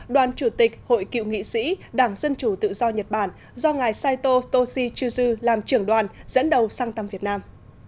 đoàn chủ tịch hội cựu nghị sĩ đảng dân chủ tự do nhật bản do ngài saito toshizu làm trưởng đoàn dẫn đầu sang thăm việt nam